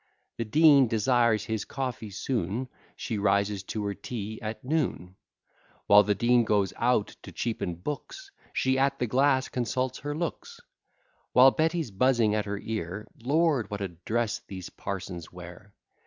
The Dean desires his coffee soon, She rises to her tea at noon. While the Dean goes out to cheapen books, She at the glass consults her looks; While Betty's buzzing at her ear, Lord, what a dress these parsons wear!